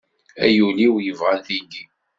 Ay ul-iw yebɣan tigi.